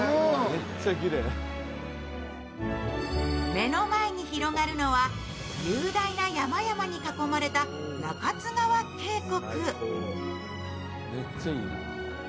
目の前に広がるのは雄大な山々に囲まれた中津川渓谷。